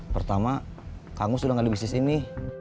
pertama kang mus udah gak di bisnis ini